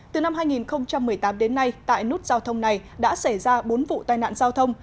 từ năm hai nghìn một mươi tám đến nay tại nút giao thông này đã xảy ra bốn vụ tai nạn giao thông